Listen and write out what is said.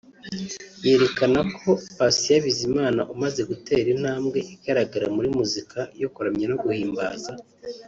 yerekana ko Patient Bizimana umaze gutera intambwe igaragara muri muzika yo kuramya no guhimbaza Imana